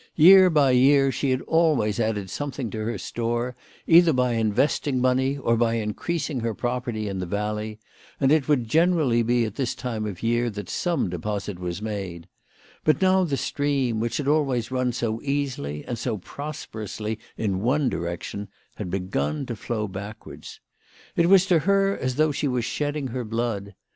Year by year she had always added something to her store, either by invest ing money, or by increasing her property in the valley, and it would generally be at this time of the year that some deposit was made ; but now the stream, which had always run so easily and so prosperously in one direction, had begun to flow backwards. It was to her as though she were shedding her blood.